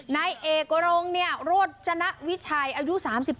นายเอกกระโลงเนี่ยโรจนะวิชัยอายุ๓๙